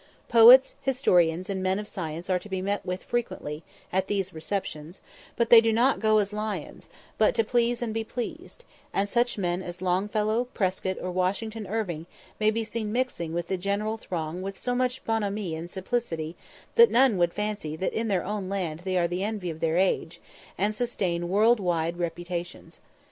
Poets, historians, and men of science are to be met with frequently at these receptions; but they do not go as lions, but to please and be pleased; and such men as Longfellow, Prescott, or Washington Irving may be seen mixing with the general throng with so much bonhommie and simplicity, that none would fancy that in their own land they are the envy of their age, and sustain world wide reputations.